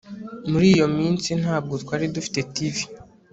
Muri iyo minsi ntabwo twari dufite TV